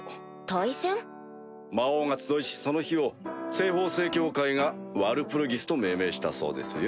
魔王が集いしその日を西方聖教会がワルプルギスと命名したそうですよ。